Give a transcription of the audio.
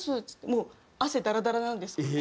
もう汗ダラダラなんですけど。